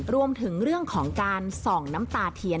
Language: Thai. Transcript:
รวมถึงเรื่องของการส่องน้ำตาเทียน